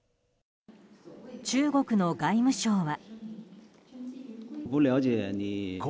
中国の外務省は。